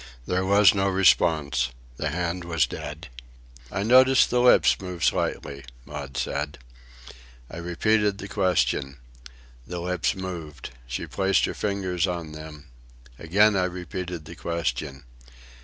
There was no response. The hand was dead. "I noticed the lips slightly move," Maud said. I repeated the question. The lips moved. She placed the tips of her fingers on them. Again I repeated the question.